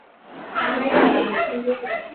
kama ilivyoelezwa mara kadhaa na rais wa marekani